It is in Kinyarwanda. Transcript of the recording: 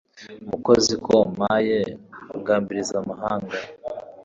Mukozi ko yampaye Ngambirize amahanga